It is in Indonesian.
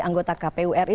anggota kpu ri